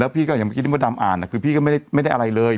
แล้วพี่ก็อย่างเมื่อกี้ตำรวจอ่านอ่ะคือพี่ก็ไม่ได้อะไรเลย